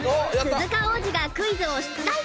鈴鹿央士がクイズを出題。